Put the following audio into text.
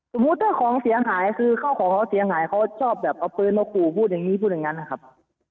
สมมุติถ้าของเสียหายคือข้าวของเขาเสียหายเขาชอบแบบเอาปืนมาขู่พูดอย่างนี้พูดอย่างนั้นนะครับ